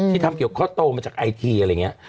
ที่ทำเกี่ยวกับเขาโตมาจากไอทีอะไรอย่างนี้